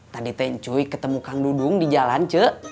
tadi teh ncuy ketemu kang dudung di jalan c